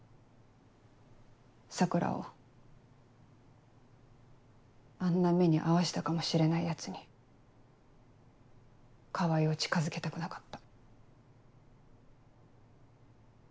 桜をあんな目に遭わしたかもしれないヤツに川合を近づけたくなかった。